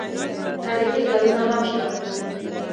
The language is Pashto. تاریخي ځایونه هم شته.